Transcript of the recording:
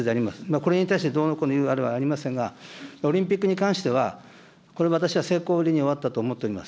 これに対してどうのこうの言うことはありませんが、オリンピックに関しては、これは私は成功裏に終わったと思っております。